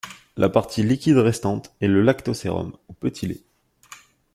La partie liquide restante est le lactosérum ou petit-lait.